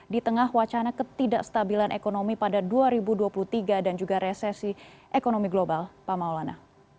di tengah wacana ketidakstabilan ekonomi pada dua ribu dua puluh tiga dan juga resesi ekonomi global pak maulana